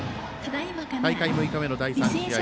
大会６日目の第３試合。